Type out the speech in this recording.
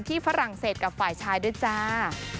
ฝรั่งเศสกับฝ่ายชายด้วยจ้า